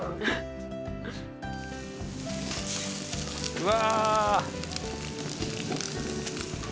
うわ。